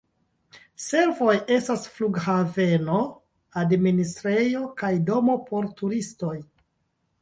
Servoj estas flughaveno, administrejo kaj domo por turistoj.